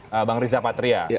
itu dari bang riza patria